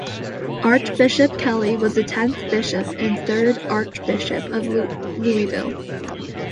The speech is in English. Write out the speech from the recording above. Archbishop Kelly was the tenth Bishop and third Archbishop of Louisville.